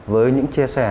với những chia sẻ